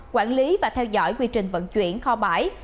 quản lý và theo dõi quy trình vận chuyển kho bãi